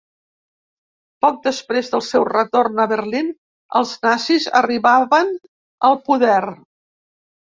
Poc després del seu retorn a Berlín, els nazis arribaven al poder.